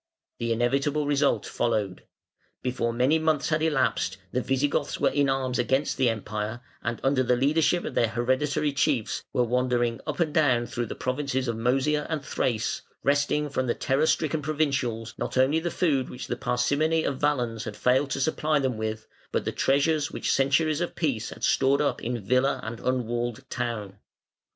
The inevitable result followed. Before many months had elapsed the Visigoths were in arms against the Empire, and under the leadership of their hereditary chiefs were wandering up and down through the provinces of Mœsia and Thrace, wresting from the terror stricken provincials not only the food which the parsimony of Valens had failed to supply them with, but the treasures which centuries of peace had stored up in villa and unwalled town.